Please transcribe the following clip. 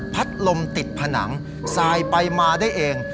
ลมติดผนังสายไปมาได้เอง